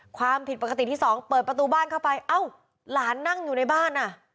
ความผิดปกติที่สองเปิดประตูบ้านเข้าไปเอ้าหลานนั่งอยู่ในบ้านอ่ะ